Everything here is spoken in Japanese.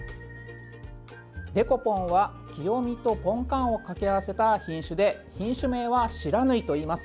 デコポンは清見とポンカンを掛け合わせた品種で品種名は不知火といいます。